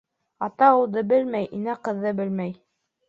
Ата улды белмәй, инә ҡыҙҙы белмәй.